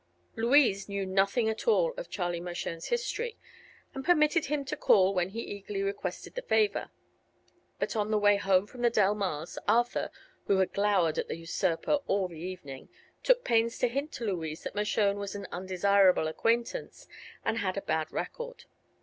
Louise knew nothing at all of Charlie Mershone's history and permitted him to call when he eagerly requested the favor; but on the way home from the Delmars Arthur, who had glowered at the usurper all the evening, took pains to hint to Louise that Mershone was an undesirable acquaintance and had a bad record.